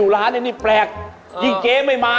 พี่นี่เด็กเรียนนี่ว่า